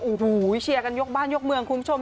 โอ้โหเชียร์กันยกบ้านยกเมืองคุณผู้ชม